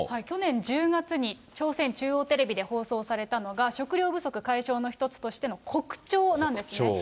去年１０月に朝鮮中央テレビで放送されたのが、食料不足解消の一つとしてのコクチョウなんですね。